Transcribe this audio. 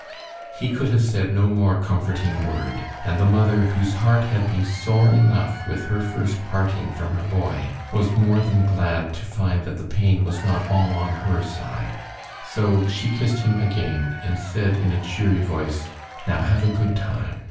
He could have said no more comforting word, and the mother, whose heart had been sore enough with her first parting from her boy, was more than glad to find that the pain was not all on her side; so she kissed him again, and said, in a cheery voice: "Now have a good time.